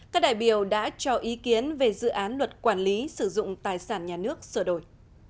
các đại biểu đã cho ý kiến về dự án luật quản lý sử dụng tài sản nhà nước sửa đổi